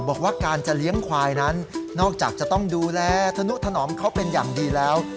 บอกว่าการจะเลี้ยงควายนั้นนอกจากจะต้องดูแลธนุถนอมเขาเป็นอย่างดีแล้ว